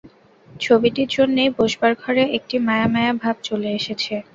ছবিটির জন্যেই বসবার ঘরে একটি মায়া-মায়া ভাব চলে এসেছে।